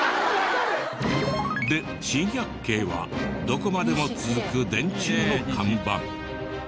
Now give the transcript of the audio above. で珍百景はどこまでも続く電柱の看板。